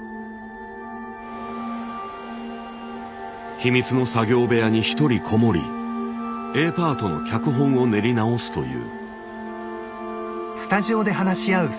秘密の作業部屋にひとりこもりＡパートの脚本を練り直すという。